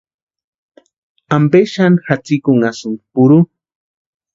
¿Ampe xani jatsikunhasïnki purhu?